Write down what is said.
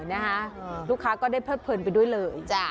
นะคะลูกค้าก็ได้เลิดเพลินไปด้วยเลย